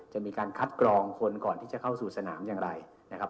จะมีการคัดกรองคนก่อนที่จะเข้าสู่สนามอย่างไรนะครับ